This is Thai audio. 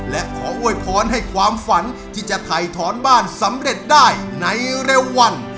และขออวยพรให้ความฝันที่จะถ่ายถอนบ้านสำเร็จได้ในเร็ววัน